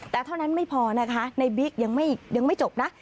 แต่เท่านั้นไม่พอนะคะในบิ๊กยังไม่จบนะ